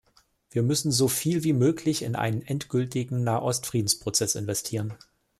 Wir müssen so viel wie möglich in einen endgültigen Nahost-Friedensprozess investieren.